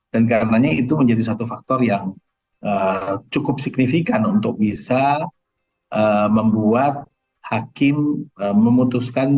dan karenanya itu menjadi satu faktor yang cukup signifikan untuk bisa membuat hakim memutuskan